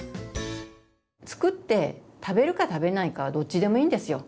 作って食べるか食べないかはどっちでもいいんですよ。